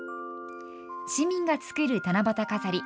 市民が作る七夕飾り。